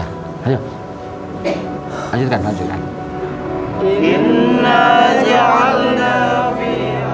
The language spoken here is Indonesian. hai hai lanjutkan lanjutkan ingin aja al nafi